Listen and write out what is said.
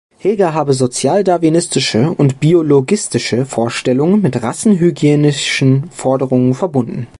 Hegar habe „sozialdarwinistische und biologistische Vorstellungen mit rassenhygienischen Forderungen“ verbunden.